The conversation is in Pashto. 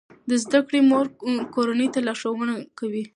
د زده کړې مور کورنۍ ته ښه لارښوونه کوي.